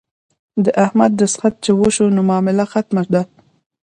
د احمد دستخط چې وشو نو معامله ختمه ده.